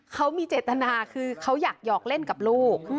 เขามีเจตนาคือเขาอยากหอกเล่นกับลูก